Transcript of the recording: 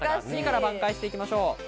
次から挽回していきましょう。